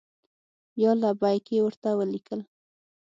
یا لبیک! یې ورته ولیکل.